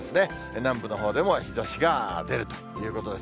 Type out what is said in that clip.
南部のほうでも、日ざしが出るということです。